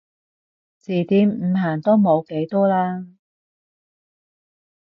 字典唔限都冇幾多啦